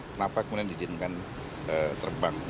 kenapa kemudian diizinkan terbang